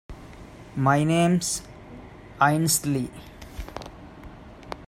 My name’s Ainslie.